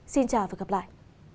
xin chào và hẹn gặp lại